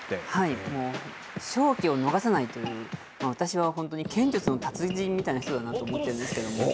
勝機を逃さないという、私は本当に剣術の達人みたいな人だなと思ってるんですけれども。